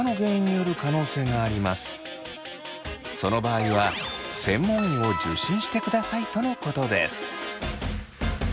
その場合は専門医を受診してくださいとのことです。